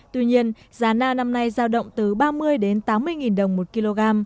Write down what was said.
tuy nhiên giá na năm nay giao động từ ba mươi đến tám mươi nghìn đồng một kg